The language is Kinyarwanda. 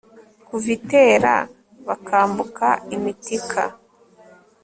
kuva i tera bakambuka i mitika